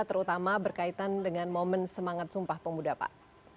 terutama berkaitan dengan momen semangat sumpah pemuda pak